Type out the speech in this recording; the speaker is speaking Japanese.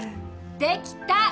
できた